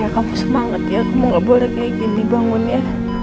kamu semangat ya kamu gak boleh kayak gini bangun ya